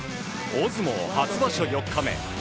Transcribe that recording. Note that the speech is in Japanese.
大相撲初場所４日目。